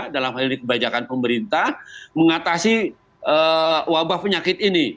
dalam hal ini kebijakan pemerintah mengatasi wabah penyakit ini